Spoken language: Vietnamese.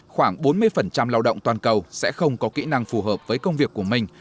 khoảng bốn mươi lao động toàn cầu sẽ không có kỹ năng phù hợp với công việc của mình